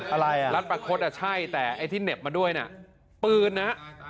อะไรอ่ะรัดประคดอ่ะใช่แต่ไอ้ที่เหน็บมาด้วยนะปืนนะ